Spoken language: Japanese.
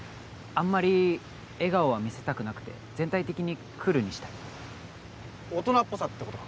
あんまり笑顔は見せたくなくて全体的にクールにしたい大人っぽさってことか？